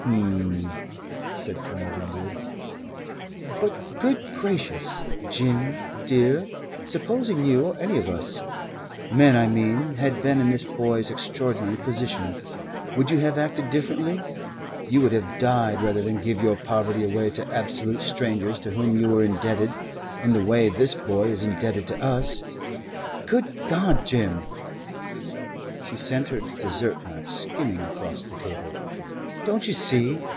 "H'm!" said Colonel Winwood. "But, good gracious, Jim, dear, supposing you or any of us men, I mean had been in this boy's extraordinary position would you have acted differently? You would have died rather than give your poverty away to absolute strangers to whom you were indebted, in the way this boy is indebted to us. Good God, Jim" she sent her dessert knife skimming across the table "don't you see?